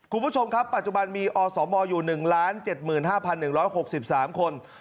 คุณผู้ชมครับปัจจุบันมีอสมอยู่๑๗๕๑๖๓คน